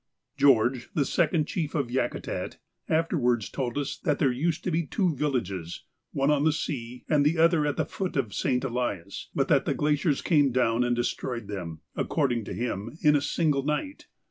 George, the second chief of Yakutat, afterwards told us that there used to be two villages, one on the sea and the other at the foot of St. Elias, but that the glaciers came down and destroyed them, according to him, in a single night.